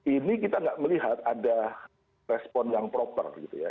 ini kita nggak melihat ada respon yang proper gitu ya